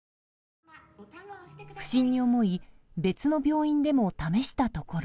不審に思い別の病院でも試したところ。